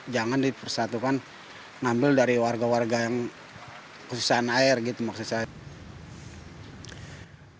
jangan dipersatukan ngambil dari warga warga yang kesusahan air gitu maksud saya